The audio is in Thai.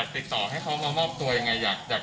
พ่อของสทเปี๊ยกบอกว่า